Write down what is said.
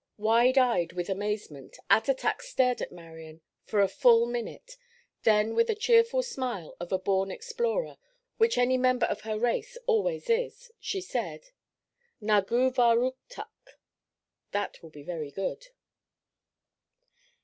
Wide eyed with amazement, Attatak stared at Marian for a full minute; then with the cheerful smile of a born explorer—which any member of her race always is—she said: "Na goo va ruk tuck." (That will be very good.)